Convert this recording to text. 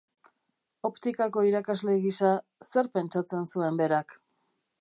Optikako irakasle gisa, zer pentsatzen zuen berak?